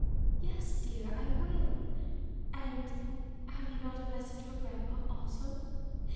"Yes, dear, I will. And have you not a message for grandpa also?"